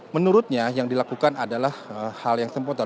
menurutnya yang dilakukan adalah hal yang sempurna